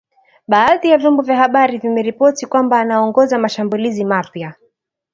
badhi ya vyombo vya habari vimeripoti kwamba anaongoza mashambulizi mapya